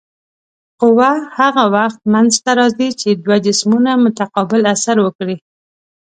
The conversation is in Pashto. قوه هغه وخت منځته راځي چې دوه جسمونه متقابل اثر وکړي.